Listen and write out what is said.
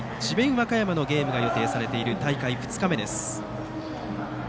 和歌山のゲームが予定されている大会２日目です。